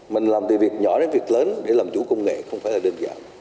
mình làm từ việc nhỏ đến việc lớn để làm chủ công nghệ không phải là đơn giản